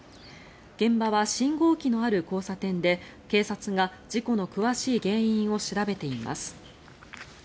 現場は信号機のある交差点で警察が事故の詳しい原因を調べています。